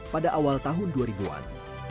pada awal tahun dua ribu an